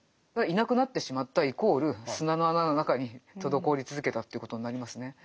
いなくなってしまったイコール砂の穴の中に滞り続けたということになりますね。